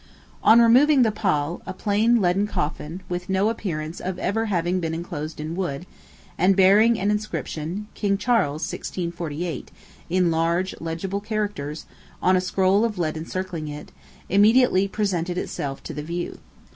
"On removing the pall, a plain leaden coffin, with no appearance of ever having been enclosed in wood, and bearing an inscription, 'King Charles, 1648,' in large, legible characters, on a scroll of lead encircling it, immediately presented itself to the view.